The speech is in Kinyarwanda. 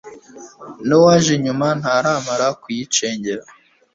n'uwaje nyuma ntaramara kuricengera